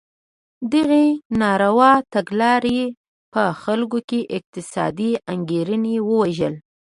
دغې ناروا تګلارې په خلکو کې اقتصادي انګېزه ووژله.